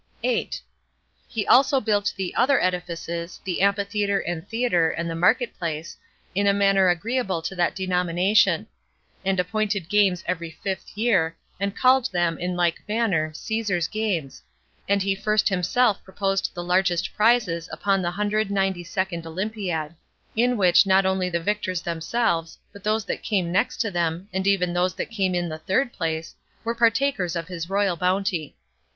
8. He also built the other edifices, the amphitheater, and theater, and market place, in a manner agreeable to that denomination; and appointed games every fifth year, and called them, in like manner, Caesar's Games; and he first himself proposed the largest prizes upon the hundred ninety second olympiad; in which not only the victors themselves, but those that came next to them, and even those that came in the third place, were partakers of his royal bounty.